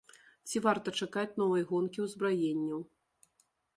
Ці варта чакаць новай гонкі ўзбраенняў?